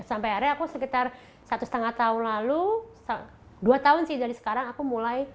sampai akhirnya aku sekitar satu setengah tahun lalu dua tahun sih dari sekarang aku mulai